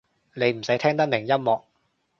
你唔使聽得明音樂